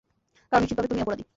কারণ নিশ্চিতভাবে তুমিই অপরাধী।